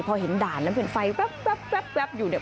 พอเห็นด่านแล้วเป็นไฟแว๊บอยู่เนี่ย